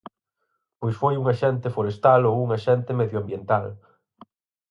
Pois foi un axente forestal ou un axente medioambiental.